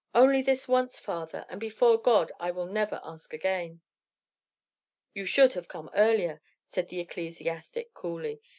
Only this once, father, and before God I will never ask again." "You should have come earlier," said the ecclesiastic, coolly.